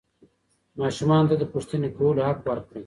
ماشومانو ته د پوښتنې کولو حق ورکړئ.